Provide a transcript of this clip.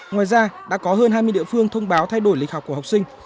ngoài ra đã có hơn hai mươi địa phương thông báo thay đổi lịch học của học sinh